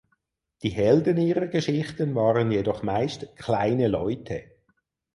Die Helden ihrer Geschichten waren jedoch meist „kleine Leute“.